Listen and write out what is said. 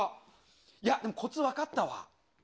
いやでも、こつ分かったわ。